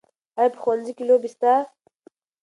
آیا په ښوونځي کې لوبې سته؟